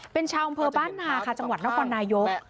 เป็นชาวอำเภอบ้านนาค่ะจังหวัดนครนายก